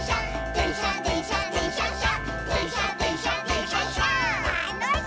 「でんしゃでんしゃでんしゃっしゃ」